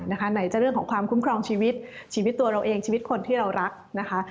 ไหนจะเรื่องของความคุ้มครองชีวิตชีวิตตัวเราเองชีวิตคนที่เรารักนะคะ